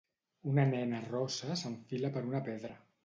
Una nena rossa s'enfila per una pedra.